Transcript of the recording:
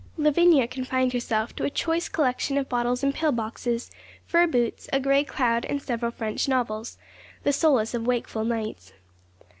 Lavinia confined herself to a choice collection of bottles and pill boxes, fur boots, a grey cloud, and several French novels, the solace of wakeful nights.